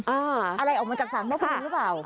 อะไรออกมาจากสารพระภูมิหรือเปล่า